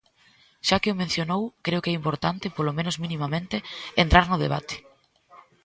Xa que o mencionou, creo que é importante, polo menos minimamente, entrar no debate.